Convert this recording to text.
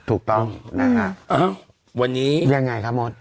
ถูกต้องนะครับอย่างไรคะวันนี้